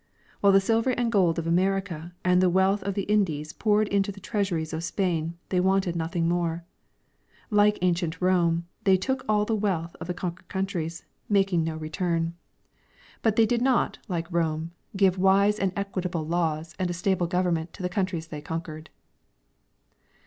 While the silver and gold of America and the wealth of the Indies poured into the treasuries of Spain they wanted nothing more. Like ancient Rome, they took all the wealth of the conquered countries, making no return; but 6 G. G. Hubbard — lite Evolution of Commerce. they did not, like Rome, give wise and equitable laws and a stable government to the countries they conquered.